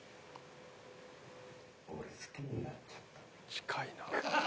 ［近いな］